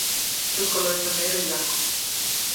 Sus colores son negro y blanco.